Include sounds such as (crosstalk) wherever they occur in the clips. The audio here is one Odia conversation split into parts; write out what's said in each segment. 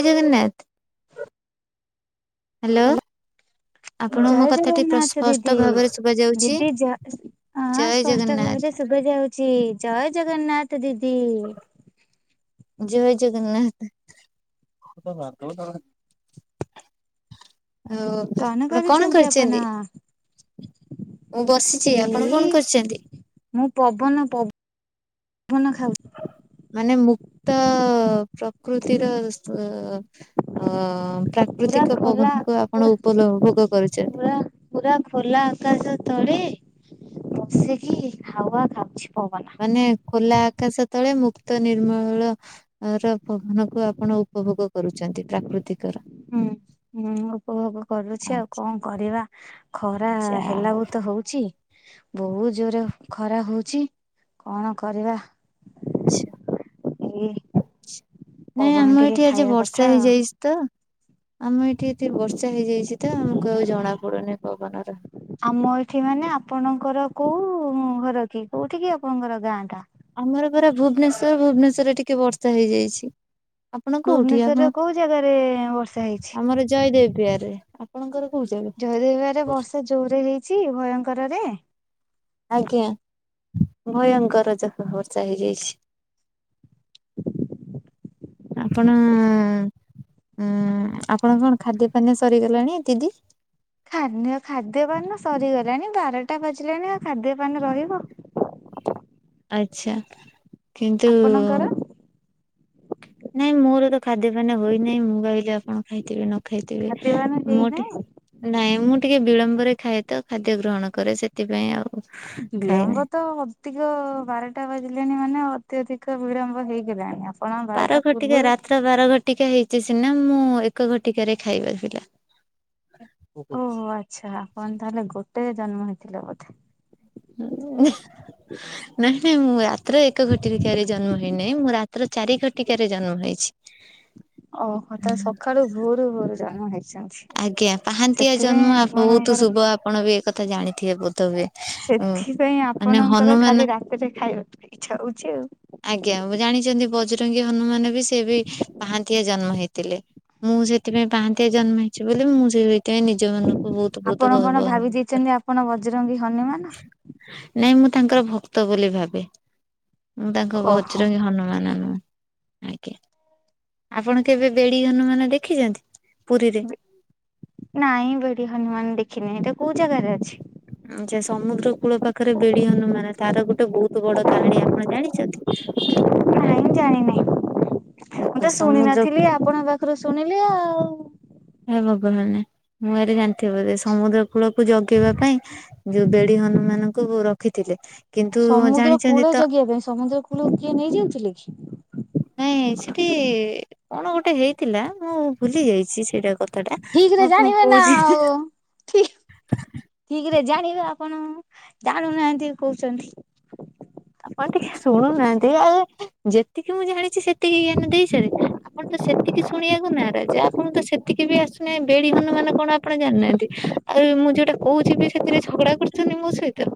ଜୟ ଜଗନ୍ନାଥ। ହାଲୋ। ହ୍ୟାଲୋ ଜୟ ଜଗନ୍ନାଥ ଦିଦି, ଭାବରେ ଶୁଭା ଯାଉଛି? ଦିଦି ଜୟ ହଁ ଜୟ ସ୍ପଷ୍ଟ ଜଗନ୍ନାଥ ଭାବରେ ଶୁଭ ଯାଉଛି, ଜୟ ଜଗନ୍ନାଥ ଦିଦି। ଜୟ ଜଗନ୍ନାଥ। ହଉ ଆପଣ କଣ କରୁଛନ୍ତି ଆପଣ? କରୁଚନ୍ତି? ମୁଁ ବସିଛି, ଆପଣ ଏଇ କଣ କରୁଛନ୍ତି? ମୁଁ ପବନ ପବ୍ ପବନ ଖାଉ ମାନେ ମୁକ୍ତ ପ୍ରକୃତିର ଅ ପୁରା ପ୍ରାକୃତିକ ଖୋଲା ପବନକୁ ଆପଣ ପୁରା ଉପଭୋଗ କରୁଛନ୍ତି। ପୁରା ପୁରା ଖୋଲା ଆକାଶ ତଳେ, ବସିକି ହାୱା ଖାଉଛି ପବନ। ମାନେ ଖୋଲା ଆକାଶ ତଳେ ମୁକ୍ତ ନିର୍ମଳ ର ପବନକୁ ଆପଣ ଉପଭୋଗ କରୁଛନ୍ତି, ପ୍ରାକୃତିକର ହୁଁ- ହୁଁ ଉପଭୋଗ କରୁଛି, ଆଉ ଆଚ୍ଛା କଣ କରିବା? ଖରା ଯାହା ହେଲା ହଉ ବୃତ ହଉଛି। ବହୁତ ଜୋରେ ଖରା ହଉଛି, କଣ କରିବା? ଆଛା ଏଇ ନାଇଁ ପବନ ଆମ ଟିକେ ଏଠି ଆଜି ଖାଇବା କଥା ବର୍ଷା ହେଇଯାଇଚି। ତ ଆମ ଏଠି ଏଠି ବର୍ଷା ହେଇଯାଇଛି ତ ଆମକୁ ଆଉ ଜଣା ପଡୁନି ପବନର। ଆମ ଏଠି ମାନେ ଆପଣଙ୍କର କୋଉ ଘର କି କୋଉଠି କି ଆପଣଙ୍କର ଗାଁ ଟା? ଆମର ପରା ଭୁବନେଶ୍ଵର ଭୁବନେଶ୍ଵରରେ ଟିକେ ବର୍ଷା ହେଇଯାଇଛି ଆ ଆପଣ କୋଉଠି ଭୁବନେଶ୍ଵରରେ ଆପଣ କୋଉ ଜାଗାରେ ବର୍ଷା ହେଇଛି? ଆମର ଜୟଦେବ ବିହାରେ। ଆପଣଙ୍କର କୋଉ ଜାଗା? ଜୟଦେବବିହାରେ ବର୍ଷା ଜୋରେ ହେଇଛି ଭୟଙ୍କରରେ? ଆଜ୍ଞା ଭୟଙ୍କର ଜୋ ବର୍ଷା ହେଇଯାଇଛି। ଆପଣ ଉଁ ଆପଣ କଣ ଖାଦ୍ୟ ପାନୀୟ ସରିଗଲାଣି ଦିଦି? ଖାଦ୍ୟ ଖାଦ୍ୟପାନୀୟ ସରିଗଲାଣି ବାରଟା ବାଜିଲାଣି ଆଉ ଖାଦ୍ୟପାନୀୟ ରହିବ। ଆଚ୍ଛା କିନ୍ତୁ ଆପଣଙ୍କର ନାଇଁ ମୋର ତ ଖାଦ୍ୟପାନୀୟ ହୋଇନାହିଁ ମୁଁ କହିଲି ଆପଣ ଖାଇଥିବେ ନ ଖାଇ ଥିବେ ଖାଦ୍ୟପାନ ମୋର ଟି ହେଇନାହିଁ ନାଇଁ ମୁଁ ଟିକେ ବିଳମ୍ବରେ ଖାଏ ତ ଖାଦ୍ୟ ଗ୍ରହଣ କରେ ସେଥିପାଇଁ ଆଉ। ଖାଇନି। ବିଳମ୍ବ ତ ହ ଅତିକ ବାରଟା ବାଜିଲେଣି ମାନେ ଅତ୍ୟଧିକ ବିଳମ୍ବ ହେଇଗଲାଣି। ଆସ ବାର ଘଟିକା ରାତ୍ର ବାର ଘଟିକା ହେଇଛି ସିନା ମୁଁ ଏକ ଘଟିକାରେ ଖାଇବା ପିଲା। (unintelligible) ଓ ଆଚ୍ଛା ଆପଣ ତାହେଲେ ଗୋଟାଏ ଜନ୍ମ ହେଇଥିଲେ ବୋଧେ? ହୁଁ। ନାହିଁ ନାହିଁ ମୁଁ ରାତ୍ର ଏକ ଘଟିକାରେ ଜନ୍ମ ହେଇ ନାଇଁ ମୁଁ ରାତ୍ର ଚାରି ଘଟିକାରେ ଜନ୍ମ ହେଇଛି। (unintelligible) ଓହ ତ ସକାଳୁ ଭୋରୁ ଭୋରୁ ଜନ୍ମ ହେଇ ଆଜ୍ଞା ପାହାନ୍ତିଆ ଜନ୍ମ ବହୁତୁ ଆପଣଙ୍କର ଶୁଭ ଆପଣ ବି ଏ କଥା ଜାଣିଥିବେ ବୋଧ ହୁଏ। ଉଁ ସେଥିପାଇଁ ମାନେ ଆପଣଙ୍କର ହନୁମାନ ଖାଲି ରାତିରେ ଖାଇବାକୁ ଇଚ୍ଛା ହଉଛି ଆଉ। ଆଜ୍ଞା ମୁଁ ଜାଣିଛନ୍ତି ବଜରଙ୍ଗୀ ହନୁମାନ ବି ସେ ବି ପାହାନ୍ତିଆ ଜନ୍ମ ହେଇଥିଲେ। ମୁଁ ସେଥିପାଇଁ ପାହାନ୍ତିଆ ଜନ୍ମେ ଅଛି ବୋଲି ମୁଁ ସେଇଥିପାଇଁ ନିଜ ମନକୁ ବହୁତୁ ଆପଣ ବହୁତୁ କଣ ଗର୍ବ ଭାବି ଅନୁଭବ ଦେଇଛନ୍ତି ଆପଣ ବଜରଙ୍ଗୀ ହନୁମାନ? କରେ। ନାଇଁ ମୁଁ ତାଙ୍କର ଭକ୍ତ ବୋଲି ଭାବେ। ମୁଁ ତାଙ୍କ ଓହୋ ବଜରଙ୍ଗୀ ହନୁମାନ ନୁହଁ। ଆଜ୍ଞା ଆପଣ କେବେ ବେଡି ହନୁମାନ ଦେଖିଛନ୍ତି? ପୁରୀ ବେ ନାଇଁ ବେଡି ହନୁମାନ ଦେଖି ନି ଏଇଟା କୋଉ ଜାଗାରେ ଅଛି? ଯେ ସମୁଦ୍ର କୂଳ ପାଖରେ ବେଡି ହନୁମାନ ତାର ଗୋଟେ ବହୁତ ବଡ କାହାଣୀ ଆପଣ ଜାଣିଛନ୍ତି? ଜାଣିି ନାହିଁ ଦେଖ ମୁଁ ତ ଶୁଣି ସମୁଦ୍ର ନଥିଲି ଆପଣଙ୍କ ପାଖରୁ ଶୁଣିଲି ଆଉ। ହେ ଭଗବାନେ ମୁଁ ଭାବିଲି ଜାଣିଥିବେ ବୋଧ ସମୁଦ୍ର କୂଳକୁ ଜଗିବା ପାଇଁ ଯୋଉ ବେଡି ହନୁମାନଙ୍କୁ ରଖିଥିଲେ। କିନ୍ତୁ ଜାଣିଛନ୍ତି ସମୁଦ୍ରକୂଳ ତ ଜଗିବା ପାଇଁ ସମୁଦ୍ରକୂଳକୁ କିଏ ନେଇଯାଉଥିଲେ କି? ନାଇଁ ସେଠି କଣ ଗୋଟେ ହେଇଥିଲା ମୁଁ ଭୁଲି ଯାଇଛି ସେଇଟା କ ଠିକ୍ ରେ ଜାଣିବେ ନା ଆଉ ଠି ଠିକ୍ ରେ ଜାଣିବେ ଆପଣ ଜାଣୁନାହାନ୍ତି କହୁଛନ୍ତି। ଆପଣ ଟିକେ ଶୁଣୁନାହାନ୍ତି ଆଜ୍ଞା ଯେତିକି ମୁଁ ଜାଣିଛି ସେତିକି ଜ୍ଞାନ ଦେଇ ସାର ଆପଣ ତ ସେ ସେତିକି ଶୁଣିବାକୁ ନାରାଜ ଆପଣ ତ ସେତିକି ବି ଆସୁନାହିଁ ବେଡି ହନୁମାନ କଣ ଆପଣ ଜାଣିନାହାନ୍ତି ଆଉ ମୁଁ ଯୁଉଟା କହୁଛି ବି ସେଥିରେ ଝଗଡା କରୁଛନ୍ତି ମୋ ସହିତ।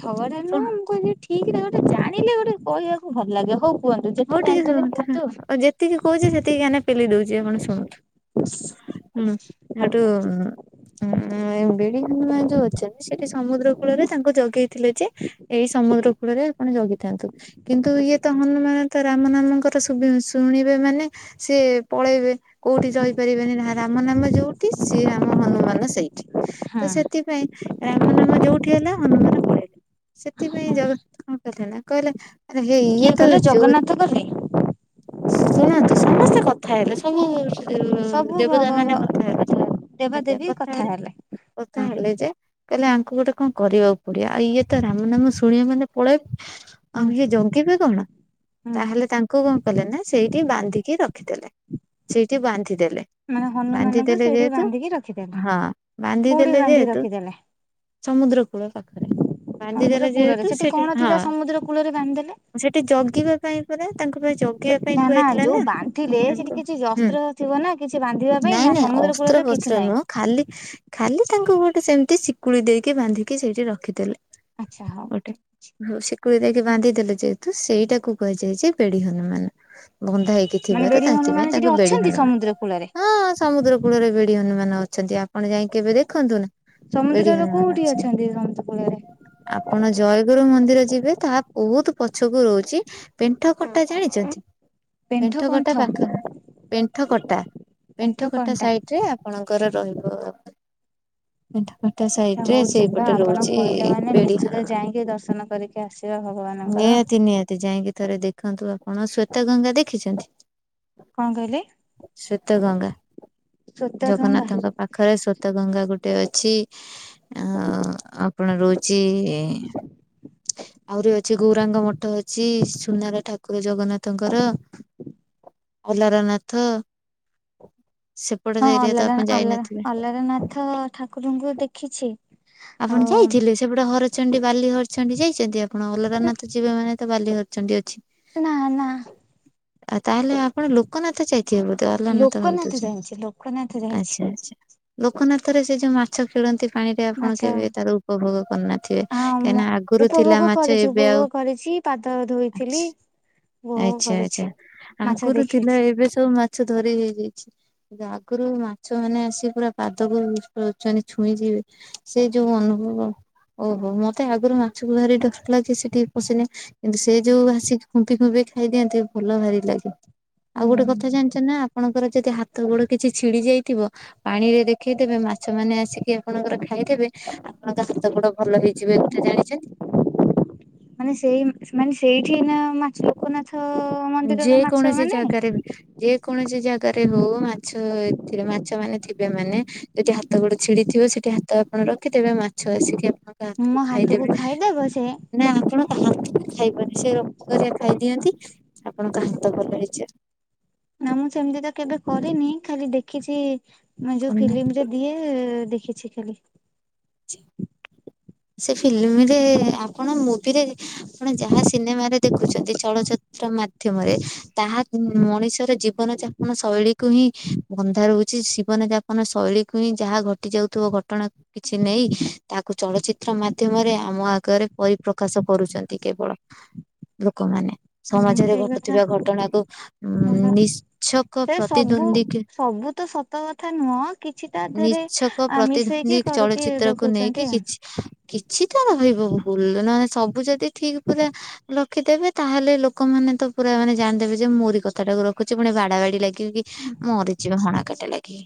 ଛଗଡା ଶୁଣ ନୁହଁ ମୁଁ କହିଲି ଠିକ୍ ଗୋଟେ ଜାଣିଲେ ଗୋଟେ କହିବାକୁ ଭଲ ଲାଗେ ହଉ। କୁହନ୍ତୁ ହଉ ଯେତିକି ଟିକେ ଜାଣିଛନ୍ତି ଶୁଣତୁନୁ କୁହନ୍ତୁ ଯେତିକି କହୁଛି ସେତିକି ଜ୍ଞାନ ପେଲି ଦଉଛି ଆପଣ ଶୁଣନ୍ତୁ ହୁଁ ଆଉ ହେଠୁ ଉଁ ବେଡି ହନୁମାନ ଯୋଉ ଅଛନ୍ତି ସେଠି ସମୁଦ୍ର କୂଳରେ ତାଙ୍କୁ ଜଗେଇଥିଲେ ଯେ ଏଇ ସମୁଦ୍ର କୂଳରେ ଆପଣ ଜଗିଥାନ୍ତୁ କିନ୍ତୁ ଇଏ ତ ହନୁମାନ ତ ରାମ ନାମଙ୍କର ଶୁବି ଶୁଣିବେ ମାନେ ସିଏ ପଳେଇବେ। କୋଉଠି ରହିପାରିବେନି ନା ରାମ ନାମ ଯୋଉଠି ଶ୍ରୀ ରାମ ହନୁମାନ ସେଇଠି। ତ ସେଥିପାଇଁ। ରାମ ନାମ ଯୋଉଠି ହେଲା ହନୁମାନ ପଳେଇଲେ ସେଥିପାଇଁ ହଁ ଜଗନାଥ କଣ କହିଲେ ନା କହିଲେ ଆରେ ହେଇ କିଏ ଇଏ ତ କଲେ ଯୋ (unintelligible) ଶୁଣନ୍ତୁ ସମସ୍ତେ କଥା ହେବେ ସବୁ ଯୋଉ ସବୁ ଭ ଦେବତାମାନେ କଥା ହେଲେ ଆଜ୍ଞା କଥା ହେଲେ କଥା ହଁ ହେଲେ ଯେ କହିଲେ ଆଙ୍କୁ ଗୋଟେ କଣ କରିବାକୁ ପଡିବ ଆଉ ଇଏ ତ ରାମ ନାମ ଶୁଣିବେ ମାନେ ପଳେଇବେ। ଆଉ ହୁଁ ଇଏ ଜଗିବେ କଣ। ହୁଁ ତାହେଲେ ତାଙ୍କୁ କଣ କଲେ ନା ସେଇଠି ବାନ୍ଧିକି ରଖିଦେଲେ ସେଇଠି ବାନ୍ଧିଦେଲେ। ମାନେ ବାନ୍ଧି ହନୁମାନଙ୍କୁ ଦେେଲେ ସେଇଠି ଯେହେତୁ, ବାନ୍ଧିକି ରଖିଦେଲେ ହଁ ବାନ୍ଧି କୋଉଠି ଦେେଲେ ବାନ୍ଧିକି ଯେହେତୁ ରଖିଦେଲେ ସମୁଦ୍ର କୂଳ ପାଖରେ ସମୁଦ୍ର ବାନ୍ଧିଦେଲେ କୂଳରେ ଯେହେତୁ ସେଠି କଣ ହଁ, ଥିଲା ସମୁଦ୍ର କୂଳରେ ବାନ୍ଧିଦେଲେ ସେଠି ଜଗିବା ପାଇଁ ପରା ତାଙ୍କ ପାଇଁ ଜଗେଇବା ପାଇଁ ନା କୁହାଇଥିଲା ଯୋଉ ନା ବାନ୍ଧିଲେ ସେଠି ତାଙ୍କ କିଛି ହୁଁ। ଅସ୍ତ୍ର ଥିବ ନା କିଛି ବାନ୍ଧିବା ପାଇଁ ନା ନାଇଁ ନାଇଁ ସମୁଦ୍ର କୂଳରେ ଅସ୍ତ୍ର ତ କିଛି ଫସ୍ତ୍ର ନାହିଁ ନୁହଁ। ଖାଲି ଖାଲି ତାଙ୍କୁ ଗୋଟେ ସେମିତି ଶିକୁଳି ଦେଇକି ବାନ୍ଧିକି ସେଇଠି ରଖିଥିଲେ। ଆଚ୍ଛା ହଉ ଠିକ। ହଉ ଶିକୁଳି ଦେଇକି ବାନ୍ଧି ଦେଲେ ଯେହେତୁ ସେଇଟାକୁ କୁହାଯାଏ ଯେ ବେଡି ହନୁମାନ। ବନ୍ଧା ହେଇ ମାନେ ଥିବାରୁ ବେଡି ତାନ୍ତି ହନୁମାନ ପାଇଁ ସେଠି ତାଙ୍କୁ ବେଡି ଅଛନ୍ତି ହନୁମାନ ସମୁଦ୍ର କୂଳରେ ହଁ ସମୁଦ୍ର କୂଳରେ ବେଡି ହନୁମାନ ଅଛନ୍ତି ଆପଣ ଯାଇ କେବେ ଦେଖନ୍ତୁ ନା। ବେଡି ସମୁଦ୍ରର ହନୁମାନ କୋଉଠି ଅଛନ୍ତି ସମସ୍ତ କୂଳରେ? ଆପଣ ଜୟଗୁରୁ ମନ୍ଦିର ଯିବେ ତାହା ବହୁତ ପଛକୁ ରହୁଛି। ପେଣ୍ଠ କଟା ଜାଣିଛନ୍ତି ପେଣ୍ଠ କଟା ପାଖ ପେଣ୍ଠ କଟା! ପେଣ୍ଠ ପେଣ୍ଠକଟା କଣ୍ଟା। ସାଇଟ ରେ ଆପଣଙ୍କର ରହିବ। (unintelligible) ଆଚ୍ଛା ସାଇଡ ରେ ହଉ ଯିବା ସେଇପଟେ ଆପଣ ରହୁଛି କହିଲେ ମାନେ ବେଡି ନିଶ୍ଚିତ ହନୁମାନ। ଯାଇକି ଦର୍ଶନ କରିକି ଆସିବା ଭଗବାନ ନିହାତି ନିହାତି ଯାଇକି ଥରେ ଦେଖନ୍ତୁ ଆପଣ ଶ୍ଵେତ ଗଙ୍ଗା ଦେଖିଛନ୍ତି? କଣ କହିଲେ। ଶ୍ୱେତ ଗଙ୍ଗା ଶ୍ଵେତ ଗଙ୍ଗା ଜଗନ୍ନାଥଙ୍କ ପା ପାଖରେ ସ୍ୱେତ ଗଙ୍ଗା ଗୋଟେ ଅଛି ଅ ଆପଣ ରହୁ ଛି ଆହୁରି ଅ ସେ ଗୌରାଙ୍କ ମଠ ଅଛି ସୁନାର ଠାକୁର ଜଗନ୍ନାଥଙ୍କର। ଅଲାରାନାଥ। ହଁ ଅଲାର ଆଲରା ଅଲାରନାଥ ଠାକୁରଙ୍କୁ ଦେଖିଛି। ଆପଣ ଆଉ ଯାଇଥିଲେ ସେପଟା ହରଚଣ୍ଡୀ ବାଲି ହରଚଣ୍ଡୀ ଯାଇଛନ୍ତି ଆପଣ ଅଲାରନାଥ ଯିବେ ମାନେ ତ ବାଲି ହରଚଣ୍ଡି ଅଛି। ନା ନା। ଆଉ ତାହେଲେ ଆପଣ ଲୋକନାଥ ଯାଇଥିବେ ବୋଧେ ଅଲାରନାଥ ଲୋକନାଥ ଭାବିଦଉଛନ୍ତି। ଯାଇଛି ଲୋକନାଥ ଯାଇଛି। ଲୋକନାଥରେ ସେ ଯୋଉ ମାଛ ଖେଳନ୍ତି ପାଣିରେ ଆପଣ ଆଚ୍ଛା କେବେ ତାର ଉପଭୋଗ କରିନଥିବେ ହଁ ମୁଁ କାହିଁକିନା ଆଗରୁ ଥିଲା ଉପଭୋଗ ମାଛ କରିଛି ଏବେ ଉପଭୋଗ ଆଉ କରିଛି ପାଦ ଧୋଇଥିଲି। ଆଚ୍ଛା ଉପଭୋଗ ଆଚ୍ଛା କରିଛି। ଆଚ୍ଛା ମାଛ ଆଗରୁ ଥିଲା ଦେଖିଛି ଏବେ ସବୁ ମାଛ ଧରି ହେଇଯାଇଛି। ଆଗରୁ ମାଛ ମାନେ ଆସି ପୁରା ପାଦକୁ (unintelligible) ଛୁଇଁ ଯିବେ। ସେ ଯୋଉ ଅନୁଭବ। ଓହୋ ମତେ ଆଗରୁ ମାଛକୁ ଭାରି ଡର ଲାଗେ ସେଠିକେ ପଶିନେ କିନ୍ତୁ ସେ ଯୋଉ ଆସିିକି ଖୁମ୍ପି ଖୁମ୍ପି ଖାଇଦିଅନ୍ତି ଭଲ ଭାରି ଲାଗେ ଆଉ ଗୋଟେ କଥା ହୁଁ। ଜାଣିଛନ୍ତିନା ଆପଣଙ୍କର ଯଦି ହାତ ଗୋଡ କିଛି ଛିଡି ଯାଇଥିବ ପାଣି ରେ ଦେଖେଇଦେବେ ମାଛ ମାନେ ଆସିକି ଆପଣଙ୍କର ଖାଇଦେବେ ଆପଣଙ୍କ ହାତ ଗୋଡ ଭଲ ହେଇଯିବ ଏ କଥା ଜାଣିଛନ୍ତି? ମାନେ ସେଇ ମାନେ ସେଇଠି ନା ମାଛ ଲୋକନାଥ ମନ୍ଦିରର ଯେ ମାଛ କୌଣସି ମାନେ ଜାଗାରେ ବି। ଯେ କୌଣସି ଜାଗାରେ ହୋଉ ମାଛ ଏଥିରେ ମାଛମାନେ ଥିବେ ମାନେ ଯଦି ହାତ ଗୋଡେ ଛିଡିଥିବ ସେଠି ହାତ ଆପଣ ରଖିଦେବେ ମାଛ ଆସିକି ଆପଣ ଣଙ୍କ ହାତକୁ ମୋ ଖାଇଦେବେ ଖାଇଦେବ ସେ ନାଇ ଆପଣ ତା ହାତକୁ ଖାଇବନି ସେ ରକ୍ତରା ଖାଇଦିଅନ୍ତି ଆପଣଙ୍କ ହାତ ଭଲ ହେଇଯା ନା ମୁଁ ସେମତି ତ କେବେ କରିନି ଖାଲି ଦେଖିଚି ମୁଁ ଯୋଉ କଣ ନା ଫିଲିମରେ ଦିଏ ଦେଖିଛି ଖାଲି। ଚି ସେ ଫିଲିମିରେ ଆପଣ ମୁଭିରେ ଆପଣ ଯାହା ସିନେମାରେ ଦେଖୁଚନ୍ତି ଚଳଚିତ୍ର ମା ମାଧ୍ୟମରେ ତାହା କୁଁମ୍ ମଣିଷର ଜୀବନ ଯାପନ ଶୈଳୀକୁ ହିଁ ବନ୍ଧା ରହୁଚି ସି ଜୀବନ ଯାପନ ଶୈଳୀକୁ ହିଁ ଯାହା ଘଟି ଯାଉଥୁବ ଘଟଣା କିଛି ନେଇ ତାହାକୁ ଚଳଚି ଚିତ୍ର ମାଧ୍ୟମରେ ଆମ ଆଗରେ ପରିପ୍ରକାଶ କରୁଚନ୍ତି କେବଳ ଲୋକମାନେ। ହୁଁ ସମାଜରେ ସେଇ କଥା ଘଟୁଥିବା ଘଟଣାକୁ ଉଁ ଭଲ ନିଶଛକ ସେ ସବୁ ପ୍ରତିଦ୍ୱନ୍ଦ୍ୱୀ କେ ସବୁ ତ ସତ କଥା ନୁହଁ କିଛି ତା ଦେହରେ ନିଛକ ଆ ପ୍ରତିଦ୍ୱନ୍ଦୀ ମିଶେଇକି କରିକି ଚଳଚିତ୍ରକୁ ନେଇକି ଦେଖଉଛନ୍ତି ଆଉ କିଛି କିଛି ତ ରହିବ ଭୁଲ ନହଲେ ସବୁ ଯଦି ଠିକି ପୁରା ରଖିଦେବେ ତାହେଲେ ଲୋକମାନେ ତ ପୁରା ମାନେ ଜାଣିଦେବେ ଯେ ମୋରି କଥାଟାକୁ ରଖୁଚି ପୁଣି ବାଡା ବାଡି ଲାଗିବେ କି ମରିଯିବେ ହାଣାକାଟା ଲାଗି।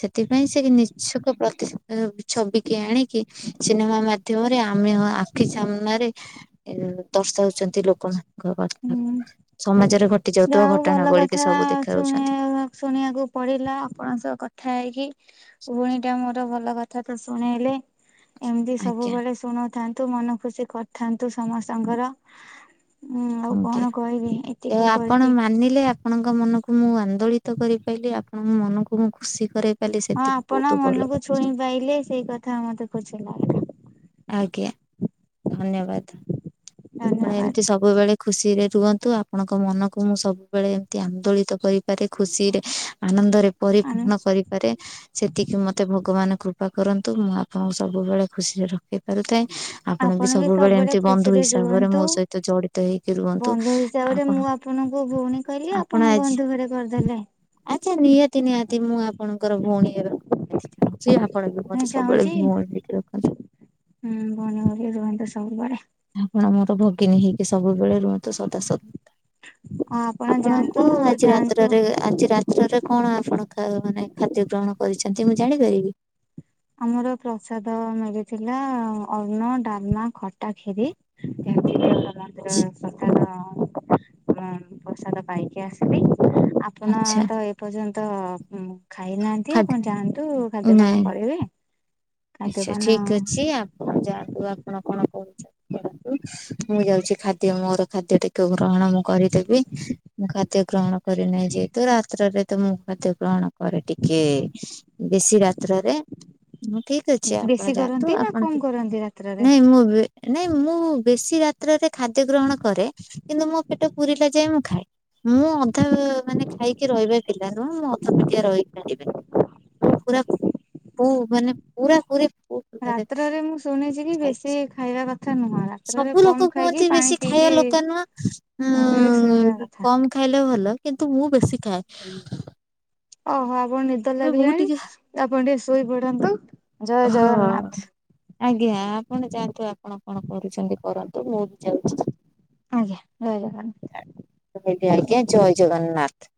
ସେଥିପାଇଁ ସେ ନିଛକ ପ୍ରତି ଏଁ ଛବିିକି ଆଣିକି ସିନେମା ମାଧ୍ୟମରେ ଆମେ ହଁ ଆଖି ସାମ୍ନାରେ ଏ ଦର୍ଶଉଛନ୍ତି ଲୋକମା ଘ ହୁଁ (unintelligible) ସମାଜରେ ଘଟି ଯାହା ଯାଉଥୁବା ହଉ ଘଟଣା ଭଲ ବଳିକି କଥା ସବୁ ଶୁଣି ଦେଖାଉଛନ୍ତି। ଶୁଣିବାକୁ ପଡିଲା ଆପଣଙ୍କ ସହ କଥା ହେଇକି। ଭୋଉଣୀଟା ମୋର ଭଲ କଥା ତ ଶୁଣେଇଲେ। ଏମତି ଆଜ୍ଞା ସବୁବେଳେ ଶୁଣୋଉଥାନ୍ତୁ ମନ ଖୁସି କରଥାନ୍ତୁ ସମସ୍ତଙ୍କର। ହୁଁ ଆଉ ଆଜ୍ଞା କଣ କହିବି ତ ଏତିକି ଆପଣ କହିକି ମାନିଲେ ଆ ଆପଣଙ୍କ ମନକୁ ମୁଁ ଆନ୍ଦୋଳିତ କରିପାଇଲି ଆପଣଙ୍କ ମନକୁ କୁ ମୁଁ ଖୁସି କରେଇ ପାଇଲି ହଁ ସେତିକି ଆପଣ ବୋହୁତ ଭଲ ମନକୁ କଥା। ଛୁଇଁ ପାଇଲେ ସେଇ କଥା ମତେ ଖୁସିଲାଗେ। ଆଜ୍ଞା ଧନ୍ୟବାଦ। ଆପଣ ଏମତି ଧନ୍ୟବାଦ। ସବୁବେଳେ ଖୁସିରେ ରୁହନ୍ତୁ ଆପଣଙ୍କ ମନକୁ ମୁଁ ସବୁବେଳେ ଏମତି ଆନ୍ଦୋଳିତ କରି ଭାରି ଖୁସିରେ ଆନନ୍ଦରେ ପରିପୂର୍ଣ କରିପାରେ। ସେତିକି ମତେ ଭଗବାନ କୃପା କରନ୍ତୁ ମୁଁ ଆପଣଙ୍କୁ ସବୁବେଳେ ଖୁସିରେ ରଖି ପାରିଥାଏ ଆପଣ ବି ସବୁବେଳେ ଏମତି ବନ୍ଧୁ ହିସା ତାପରେ ମୋ ସହିତ ଜଡିତ ହେଇକି ରୁହନ୍ତୁ ବନ୍ଧୁ ହିସାବରେ ମୁଁ ଆପଣଙ୍କୁ ଭଉଣୀ କହିଲି ଆପଣଙ୍କର ଆପଣ ବନ୍ଧୁ ଘରେ କରଦେଲେ। ଆଚ୍ଛା ନିହାତି ନିହାତି ମୁଁ ଆପଣଙ୍କର ଭୋଉଣୀ ଏବେ ଏଥି ଚାହୁଁଚି ଆ ଆପଣ ବି ମୁଁ ମତେ ସବୁବେଳେ ଚାହୁଁଛି ଭୋଉଣୀ ହେଇକି ରଖନ୍ତୁ। ହୁଁ ଭୋଉଣୀ ଭଳିଆ ରୁହନ୍ତ ସବୁବେଳେ। ଆପଣ ମୋର ଭଗିନୀ ହେଇକି ସବୁବେଳେ ରୁହନ୍ତୁ ସଦା ସ ଆଉ ଆପଣ ଯାଆନ୍ତୁ କଣ ଆଜି ଯାଆନ୍ତୁ। ରାତ୍ରରେ ଆଜି ରା ଦିନରେ କଣ ଆପଣ ଖା ମାନେ ଖାଦ୍ୟ ଗ୍ରହଣ କରିଛନ୍ତି ମୁଁ ଜାଣିପାରିବି? ଆମର ପ୍ରସାଦ ମିଳିଥିଲା ଅନ୍ନ, ଡାଲମା, ଖଟା, ଖିରୀ। ମନ୍ଦିର ପ୍ରସାଦ ମୁଁ ପ୍ରସାଦ ପାଇକି ଆସିବି ଆ ଆପଣ ଆଚ୍ଛା ତ ଏପର୍ଯ୍ୟନ୍ତ ଉଁ ଖାଇନାହାନ୍ତି ଖାଦ୍ୟ ଆପଣ ଯାଆନ୍ତୁ ଖାଦ୍ୟପାନ ନାଇଁ କରିବେ। ଆଚ୍ଛା ଖାଦ୍ୟପାନ ଠିକ ଅଛି ଆପଣ ଯାଆନ୍ତୁ ଆପଣ କଣ କରେଚ କରନ୍ତୁ ମୁଁ ଯାଉଚି ଖାଦ୍ୟ ମୋର ଖାଦ୍ୟ ଟିକୁ ମୁଁ ଗ୍ରହଣ ମୁଁ କରିଦେବି। ମୁଁ ଖାଦ୍ୟ ଗ୍ରହଣ କରି ନାହିଁ ଯେହେତୁ ରାତ୍ରରେ ତ ମୁଁ ଖାଦ୍ୟ ଗ୍ରହଣ କରେ ଟିକେ ବେଶୀ ରାତ୍ରରେ ମୁଁ ଠିକ୍ ଠିକ ଅଛି ବେଶୀ ଆପଣ ଯାଆନ୍ତୁ କରନ୍ତି ନା ଆପଣ କମ ଟି କରନ୍ତି ରାତ୍ରରେ? ନାଇଁ ମୁଁ ବି ନାଇଁ ମୁଁ ବେଶୀ ରାତ୍ରରେ ଖାଦ୍ୟ ଗ୍ରହଣ କରେ କିନ୍ତୁ ମୋ ପେଟ ପୁୁରିଲା ଯାଏଁ ମୁଁ ଖାଏ। ମୁଁ ଅଧା ମାନେ ଖାଇକି ରହିବା ପିଲା ନୁହଁ। ମୁଁ ଅଧା ପେଟିଆ ରହିପାରିବିନି। ମୁଁ ପୁରା ପୁ ମାନେ ପୁରା ପୁରି ମାନେ ରାତ୍ରରେ ମୁଁ ଶୁଣିଚି କି ଖାଏ। ବେଶୀ ଖାଇବା କଥା ନୁହଁ। ରାତ୍ରରେ ସବୁ ଲୋକ କମ୍ ଖାଇକି କୁହନ୍ତି ବେଶୀ ପାଣି ଖାଇବା ପିଇକି ଲୋକ ନୁହଁ। ଶୋଇବା ଉଁ କଥା କମ୍ ଖାଇଲେ ଭଲ। କିନ୍ତୁ ମୁଁ ବେଶୀ ଖାଏ। ଓହୋ ଆପଣ ନିଦ ମୁଁ ବହୁତ ଲାଗିଲାଣି। ଟିକେ ଆପଣ ଟିକେ ଶୋଇ ପଡନ୍ତୁ। ଜୟ ହଁ ଜଗନ୍ନାଥ। ଆଜ୍ଞା। ଆପଣ ଯାଆନ୍ତୁ ଆପଣ କଣ କରୁଛନ୍ତି କରନ୍ତୁ। ମୁଁ ଯାଉଛି। ଆଜ୍ଞା, ଜୟ ଜଗନ୍ନାଥ। ରହିଲି ଆଜ୍ଞା। ଜୟ ଜଗନ୍ନାଥ।